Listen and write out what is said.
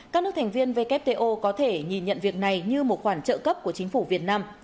các nước thành viên wto có thể nhìn nhận việc này như một khoản trợ cấp của chính phủ việt nam